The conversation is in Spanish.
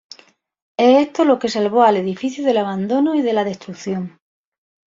Es esto lo que salvó al edificio del abandono y de la destrucción.